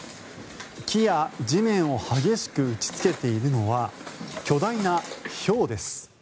木や地面を激しく打ちつけているのは巨大なひょうです。